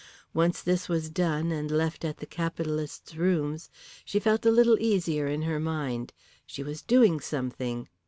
Once this was done and left at the capitalist's rooms she felt a little easier in her mind. She was doing something.